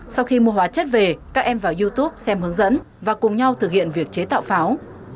sau khi mua hóa chất về các em vào youtube xem hướng dẫn và cùng nhau thực hiện việc chế tạo pháo